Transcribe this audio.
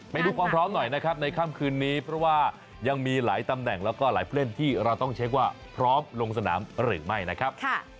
ไปดูความพร้อมหน่อยนะครับในค่ำคืนนี้เพราะว่ายังมีหลายตำแหน่งแล้วก็หลายผู้เล่นที่เราต้องเช็คว่าพร้อมลงสนามหรือไม่นะครับ